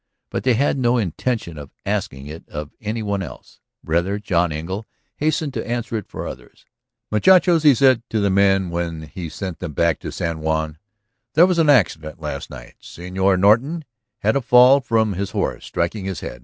But they had no intention of asking it of any one else. Rather John Engle hastened to answer it for others. "Muchachos" he said to the men when he sent them back to San Juan, "there was an accident last night. Señor Norton had a fall from his horse, striking his head.